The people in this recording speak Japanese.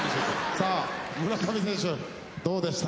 さあ村上選手どうでした？